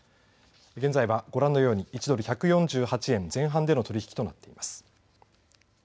現在は、ご覧のように１ドル、１４８円前半での取り引きとなっています。